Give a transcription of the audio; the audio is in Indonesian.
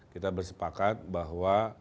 kita bersepakat bahwa